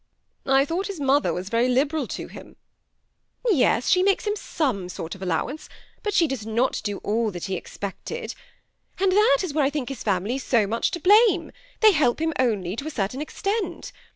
'* I thought his mother was very liberal to him*" " Yes, she makes him some sort of allowance ; but she does not do all that he expected. And that is where I think his family so much to blame ; they help him only to a certain extent.